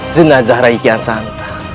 zenazah rai kian santang